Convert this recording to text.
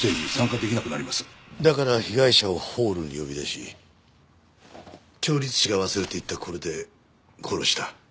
だから被害者をホールに呼び出し調律師が忘れていったこれで殺した？